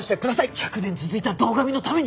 １００年続いた堂上のために！